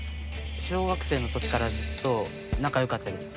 小学生のときからずっと仲良かったです。